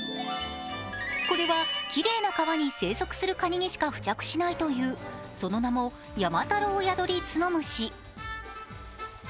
これはきれいな川に生息するカニにしか寄生しないとされるその名もヤマタロウヤドリツノムシ。